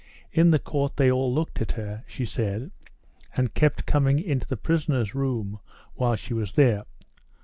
In the court they all looked at her, she said, and kept coming into the prisoners' room while she was there.